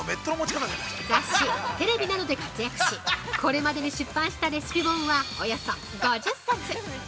雑誌・テレビなどで活躍しこれまでに出版したレシピ本はおよそ５０冊。